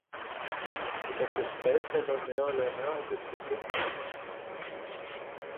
Cette espèce est nommée en l'honneur de Seppo Koponen.